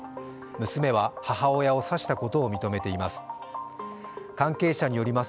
娘は母親を刺したことを認めています。